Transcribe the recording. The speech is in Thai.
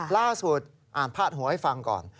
ล่าสุดอ่านพาดหัวให้ฟังก่อน